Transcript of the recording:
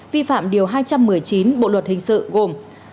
vi phạm điều hai trăm một mươi chín bộ luật hình sự gồm